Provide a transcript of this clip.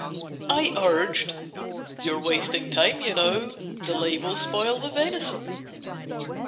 I urged "You're wasting time, you know: Delay will spoil the venison."